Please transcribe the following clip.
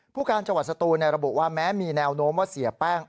ผู้การจังหวัดสตูนระบุว่าแม้มีแนวโน้มว่าเสียแป้ง